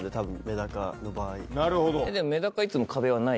なるほど。